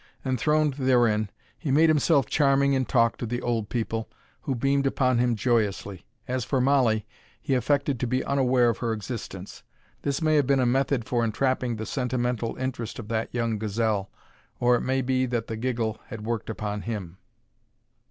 Enthroned therein, he made himself charming in talk to the old people, who beamed upon him joyously. As for Mollie, he affected to be unaware of her existence. This may have been a method for entrapping the sentimental interest of that young gazelle, or it may be that the giggle had worked upon him.